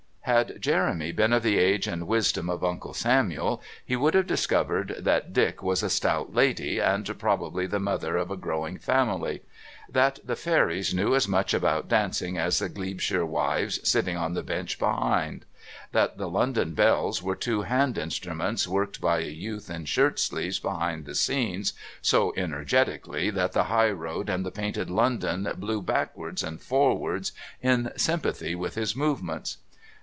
Had Jeremy been of the age and wisdom of Uncle Samuel he would have discovered that Dick was a stout lady and probably the mother of a growing family; that the fairies knew as much about dancing as the Glebeshire wives sitting on the bench behind; that the London bells were two hand instruments worked by a youth in shirt sleeves behind the scenes so energetically that the High Road and the painted London blew backwards and forwards in sympathy with his movements.